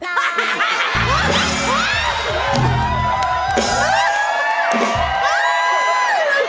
ตายนานหรือยัง